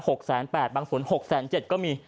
แสนแปดบางศูนย์หกแสนเจ็ดก็มี